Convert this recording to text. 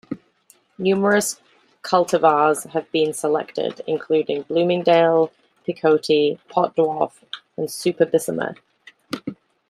Numerous cultivars have been selected, including 'Bloomingdale', 'Picotee', 'Pot Dwarf', and 'Superbissima'.